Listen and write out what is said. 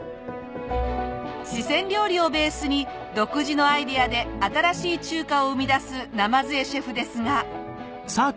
四川料理をベースに独自のアイデアで新しい中華を生み出す鯰江シェフですが。